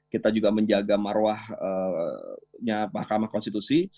kita juga menjaga marwahnya mahkamah konstitusi